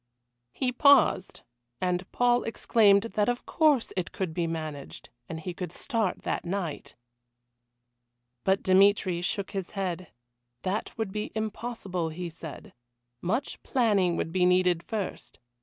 He paused, and Paul exclaimed that of course it could be managed, and he could start that night. But Dmitry shook his head. That would be impossible, he said. Much planning would be needed first.